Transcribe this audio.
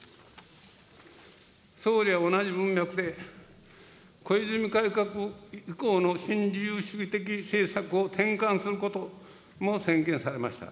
総理は同じ文脈で、小泉改革以降の新自由主義的政策を転換することも宣言されました。